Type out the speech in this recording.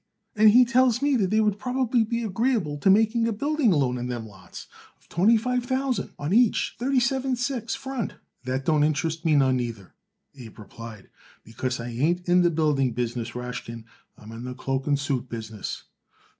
and he tells me that they would probably be agreeable to make a building loan on them lots of twenty five thousand on each thirty seven six front." "That don't interest me none neither," Abe replied, "because I ain't in the building business, Rashkin; I am in the cloak and suit business."